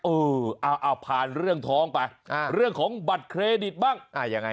เออเอาผ่านเรื่องท้องไปเรื่องของบัตรเครดิตบ้างยังไง